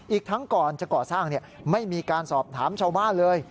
อีกทั้งก่อนจะก่อสร้างไม่มีการสอบถามชาวบ้านเลย